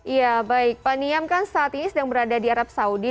ya baik pak niam kan saat ini sedang berada di arab saudi